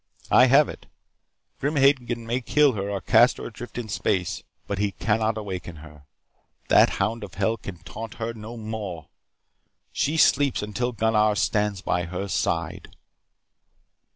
I have it. Grim Hagen may kill her or cast her adrift in space, but he cannot awaken her. That hound of hell can taunt her no more. She sleeps, until Gunnar stands by her side.